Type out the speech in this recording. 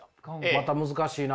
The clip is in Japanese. また難しいな。